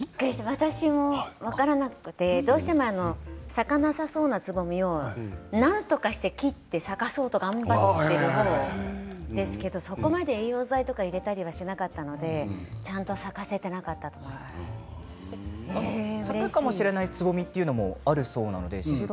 私も分からなくて、どうしても咲かなさそうなつぼみをなんとかして切って咲かそうと頑張っている方ですけど栄養剤とか入れたりしなかったのでちゃんと咲くかもしれないつぼみもあるそうです。